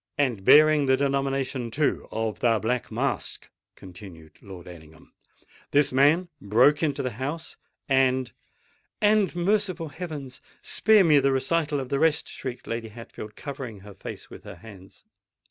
"And bearing the denomination, too, of the Black Mask," continued Lord Ellingham;—"this man broke into the house—and——" "And—merciful heavens! Spare me the recital of the rest!" shrieked Lady Hatfield, covering her face with her hands.